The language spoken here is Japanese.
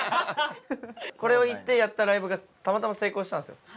これを言ってやったライブがたまたま成功したんですよ。